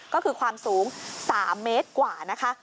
ก็คือความสูง๓เมตรกว่านะคะ